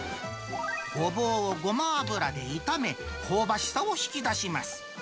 ごぼうをごま油で炒め、香ばしさを引き出します。